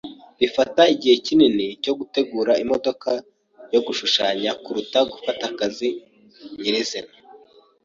Bifata igihe kinini cyo gutegura imodoka yo gushushanya kuruta gufata akazi nyirizina. (chajadan)